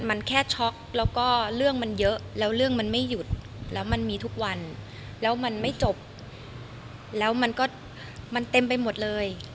มันแค่ช็อกแล้วก็เรื่องมันเยอะแล้วเรื่องมันไม่หยุดแล้วมันมีทุกวันแล้วมันไม่จบแล้วมันก็มันเต็มไปหมดเลย